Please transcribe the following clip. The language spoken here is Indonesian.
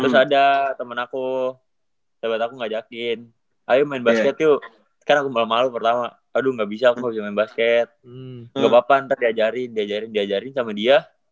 terus ada temen aku temen aku ngajakin ayo main basket yuk sekarang aku malu malu pertama aduh gak bisa aku mau main basket gapapa ntar diajarin diajarin diajarin sama dia